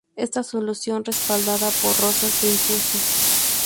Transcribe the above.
Esta solución, respaldada por Rosas, se impuso.